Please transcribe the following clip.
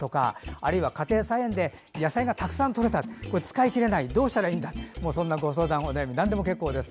あるいは、家庭菜園で野菜がたくさんとれたけど使い切れないどうしたらいいんだそんなご相談、なんでも結構です。